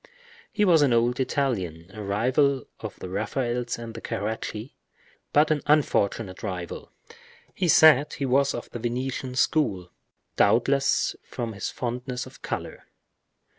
He was an old Italian, a rival of the Raphaels and the Caracci, but an unfortunate rival. He said he was of the Venetian school, doubtless from his fondness for color.